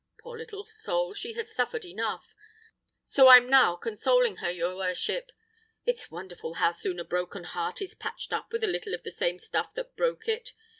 Poor little soul! she has suffered enough; so I'm now consoling her, your worship. It's wonderful how soon a broken heart is patched up with a little of the same stuff that broke it.